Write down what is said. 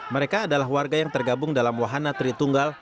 mereka adalah warga yang tergabung dalam wahana tritunggal